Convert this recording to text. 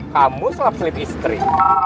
kamu selap selip istri